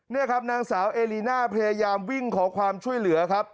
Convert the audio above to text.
นี่ครับนางสาวเอลีน่าพยายามวิ่งขอความช่วยเหลือครับ